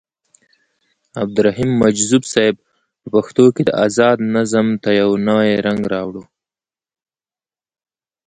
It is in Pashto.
عبدالرحيم مجذوب صيب په پښتو کې ازاد نظم ته يو نوې رنګ راوړو.